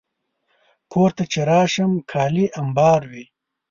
کور ته چې راشم، کالي امبار وي.